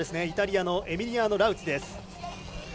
イタリアのエミリアーノ・ラウツィ。